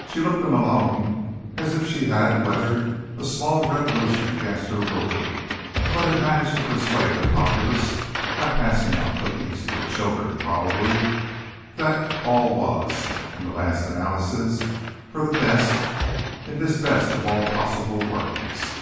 She looked to Malone as if she had weathered a small revolution against her rule, but had managed to persuade the populace (by passing out cookies to the children, probably) that all was, in the last analysis, for the best in this best of all possible worlds.